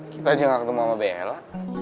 kita aja gak ketemu sama bella